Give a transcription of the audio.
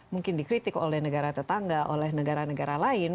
mungkin dikritik oleh negara tetangga oleh negara negara lain